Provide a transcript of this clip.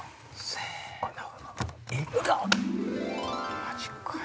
せの。